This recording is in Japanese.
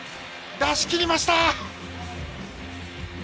出しきりました。